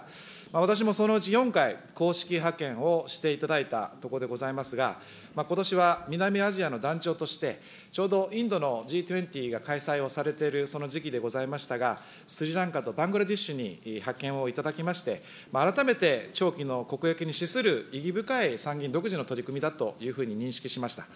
私もそのうち４回、公式派遣をしていただいたところでございますが、ことしは南アジアの団長として、ちょうどインドのＧ２０が開催をされているその時期でございましたが、スリランカとバングラデシュに派遣をいただきまして、改めて長期の国益に資する意義深い参議院独自の取り組みだというふうに認識しました。